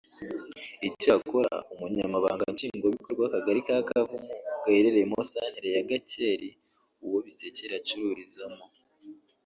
Icyakora umunyamabanga nshingwabikorwa w’akagari ka Kavumu gaherereyemo santere ya Gakeri uwo Bisekere acururizamo